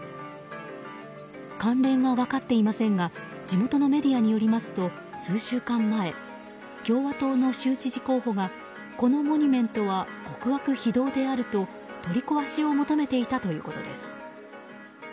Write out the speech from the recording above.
関連は分かっていませんが地元のメディアによりますと数週間前共和党の州知事候補がこのモニュメントは極悪非道であると、取り壊しを求めていたということです。